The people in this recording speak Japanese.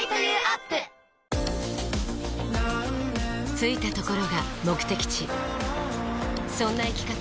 着いたところが目的地そんな生き方